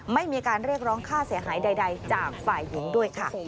ไม่มีการเรียกร้องค่าเสียหายใดจากฝ่ายหญิงด้วยค่ะ